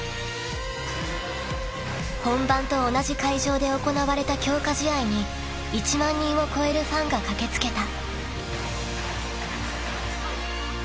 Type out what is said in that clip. ［本番と同じ会場で行われた強化試合に１万人を超えるファンが駆け付けた］